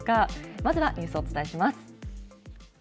まずはニュースをお伝えします。